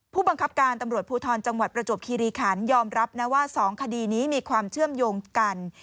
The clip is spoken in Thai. ผู้บังคับการตำรวจภูทรจังหวัดประจวบคีรีขันยอมรับนะว่า๒คดีนี้มีความเชื่อมโยงกัน